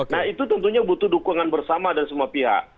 nah itu tentunya butuh dukungan bersama dan semua pihak